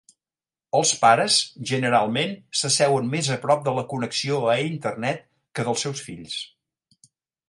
Els pares generalment s'asseuen més a prop de la connexió a internet que del seus fills.